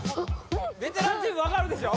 ベテランチーム分かるでしょ？